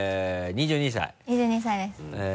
２２歳です。